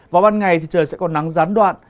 vào ban ngày thì trời sẽ có nắng rán đoạn